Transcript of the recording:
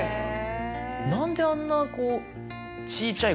何であんなこう。